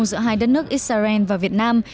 giữa hai đất nước israel và việt nam